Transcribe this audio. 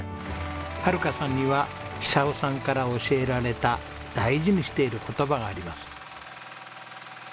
はるかさんには久夫さんから教えられた大事にしている言葉があります。